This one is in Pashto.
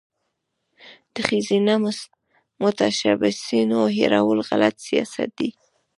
د ښځینه متشبثینو هیرول غلط سیاست دی.